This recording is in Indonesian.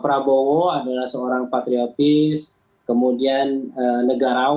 pak prabowo adalah seorang patriotis kemudian negarawan ya saatnya beliau saya kira saya kira